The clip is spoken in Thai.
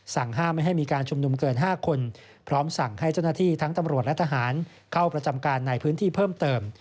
ห้ามไม่ให้มีการชุมนุมเกิน๕คนพร้อมสั่งให้เจ้าหน้าที่ทั้งตำรวจและทหารเข้าประจำการในพื้นที่เพิ่มเติม